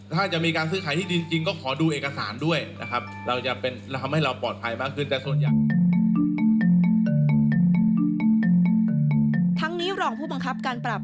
ถ้าจะมีการซื้อขายที่ดินจริงก็ขอดูเอกสารด้วยนะครับ